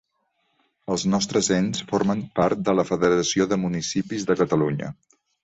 Els nostres ens formen part de la Federació de Municipis de Catalunya.